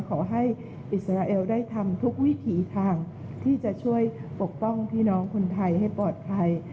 ขอให้อิสราเอลได้ทำทุกวิถีทางที่จะช่วยปกป้องพี่น้องคนไทยให้ปลอดภัย